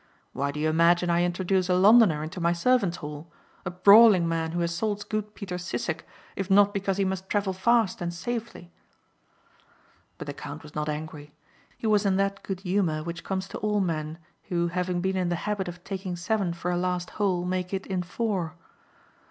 Why do you imagine I introduce a Londoner into my servants hall, a brawling man who assaults good Peter Sissek if not because he must travel fast and safely?" But the count was not angry. He was in that good humor which comes to all men who having been in the habit of taking seven for a last hole make it in four.